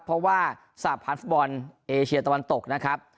เพราะว่าสาพันธ์ฟุตบอลเอเชียตะวันตกนะครับ